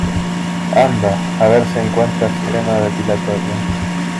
anda, a ver si encuentras crema depilatoria.